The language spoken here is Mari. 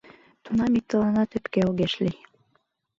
Тунам иктыланат ӧпке огеш лий.